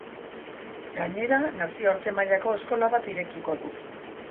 Gainera, nazioarte mailako eskola bat irekiko du.